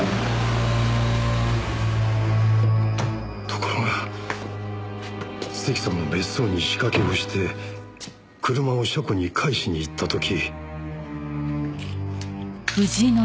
ところが関さんの別荘に仕掛けをして車を車庫に返しに行った時。